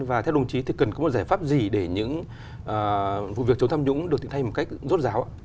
và theo đồng chí thì cần có một giải pháp gì để những vụ việc chống tham nhũng được diễn thay một cách rốt ráo ạ